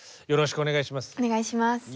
よろしくお願いします。